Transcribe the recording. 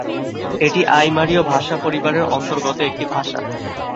এটি আইমারীয় ভাষাপরিবারের অন্তর্গত একটি ভাষা।